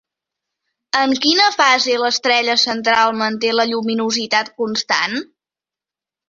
En quina fase l'estrella central manté la lluminositat constant?